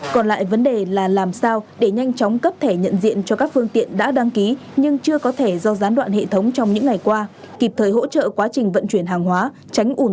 còn lại vấn đề là làm sao để nhanh chóng cấp thẻ nhận diện cho các phương tiện đã đăng ký nhưng chưa có thẻ do gián đoạn hệ thống trong những ngày qua kịp thời hỗ trợ quá trình vận chuyển hàng hóa tránh ủn tắc tại các chốt ra vào cửa ngõ